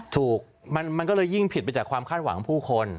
ถูกมันก็เลยยิ่งผิดไปจากความคาดหวังผู้คน